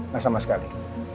gak sama sekali